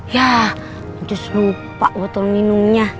yah anjus lupa botol minumnya